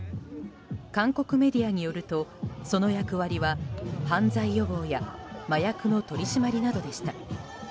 韓国メディアによるとその役割は犯罪予防や麻薬の取り締まりなどでした。